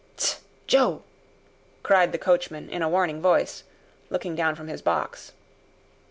"Tst! Joe!" cried the coachman in a warning voice, looking down from his box.